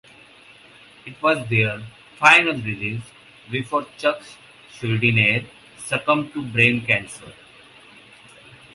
It was their final release before Chuck Schuldiner succumbed to brain cancer.